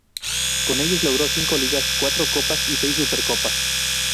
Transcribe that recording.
Con ellos logró cinco ligas, cuatro copas y seis supercopas.